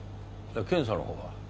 検査のほうは？